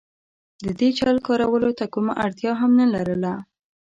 د دې چل کارولو ته کومه اړتیا هم نه لرله.